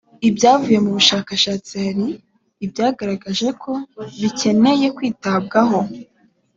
ibyavuye mu bushakashatsi hari ibyagaragajwe ko bikeneye kwitabwaho